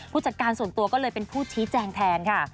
จัดการส่วนตัวก็เลยเป็นผู้ชี้แจงแทนค่ะ